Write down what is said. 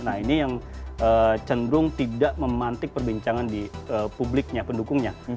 nah ini yang cenderung tidak memantik perbincangan di publiknya pendukungnya